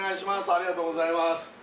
ありがとうございます